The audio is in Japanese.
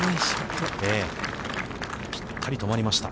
ぴったり止まりました。